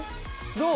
どう？